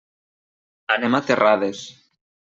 Anem a Terrades.